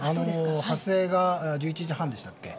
発生が１１時半でしたっけ。